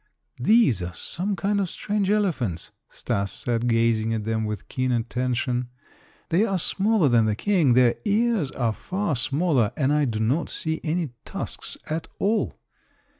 "These are some kind of strange elephants," Stas said, gazing at them with keen attention; "they are smaller than the King, their ears are far smaller, and I do not see any tusks at all."